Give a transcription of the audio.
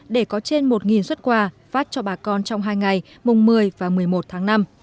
để có trên một xuất quà phát cho bà con trong hai ngày mùng một mươi và một mươi một tháng năm